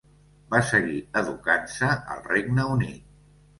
Va seguir educant-se al Regne Unit.